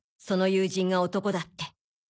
その友人が男だって。